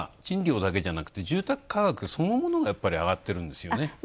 賃料だけじゃなくて、住宅価格そのものが、やっぱり、上がってるんですよね。